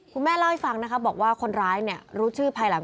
เล่าให้ฟังนะคะบอกว่าคนร้ายเนี่ยรู้ชื่อภายหลัง